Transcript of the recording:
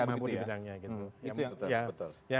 mampu di bidangnya